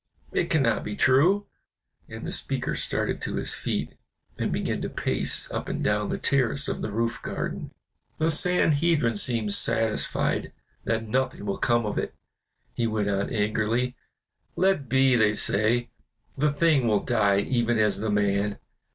It cannot be true!" And the speaker started to his feet, and began to pace up and down the terrace of the roof garden. "The Sanhedrim seems satisfied that nothing will come of it," he went on angrily. "'Let be,' say they, 'the thing will die even as the man.